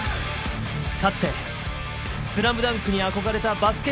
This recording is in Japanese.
かつて「ＳＬＡＭＤＵＮＫ」に憧れたバスケ